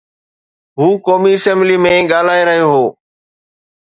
هو قومي اسيمبلي ۾ ڳالهائي رهيو هو.